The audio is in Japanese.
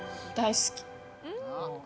大好き。